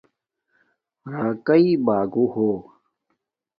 راکاݵ باگوہ ہو